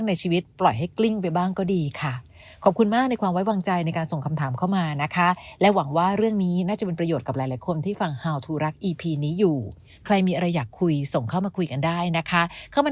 นี้อยู่ใครมีอะไรอยากคุยส่งเข้ามาคุยกันได้นะคะเข้ามา